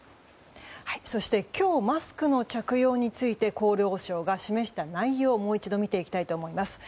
そして今日マスクの着用について厚労省が示した内容をもう一度見ていきたいと思います。